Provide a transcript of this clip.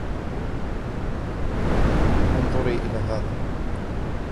انظری الی هذا.